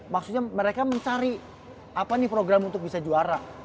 maksudnya mereka mencari apa nih program untuk bisa juara